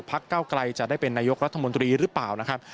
เก้าไกลจะได้เป็นนายกรัฐมนตรีหรือเปล่านะครับ